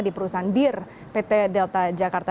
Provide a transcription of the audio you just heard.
di perusahaan bir pt delta jakarta